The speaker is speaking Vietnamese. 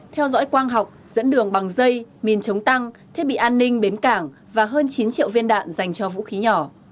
theo dõi quang học dẫn đường bằng dây mìn chống tăng thiết bị an ninh bến cảng và hơn chín triệu viên đạn dành cho vũ khí nhỏ